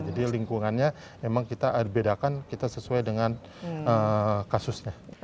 jadi lingkungannya memang kita bedakan kita sesuai dengan kasusnya